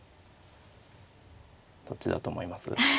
どっちだと思います？